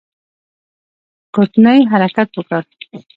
کوټنۍ حرکت وکړ.